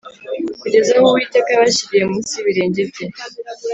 kugeza aho Uwiteka yabashyiriye munsi y’ibirenge bye